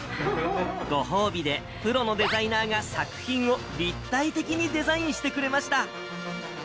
ご褒美で、プロのデザイナーが作品を立体的にデザインしてくれました。